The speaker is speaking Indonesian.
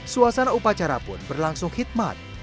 suasana upacara pun berlangsung khidmat